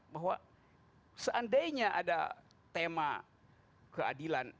bahwa seandainya ada tema keadilan